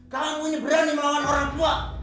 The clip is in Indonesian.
kamu ini berani melawan orang tua